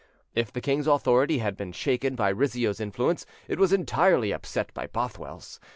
If the king's authority had been shaken by Rizzio's influence, it was entirely upset by Bothwell's.